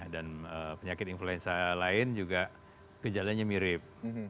dan penyakit influenza lain juga gejalanya mirip